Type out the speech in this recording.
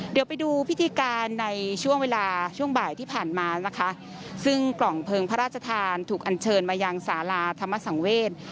เดี๋ยวไปดูพิธีการในช่วงเวลาช่วงบ่ายที่ผ่านมานะคะซึ่งกล่องเพลิงพระราชทานถูกอันเชิญมายังสาราธรรมสังเวศ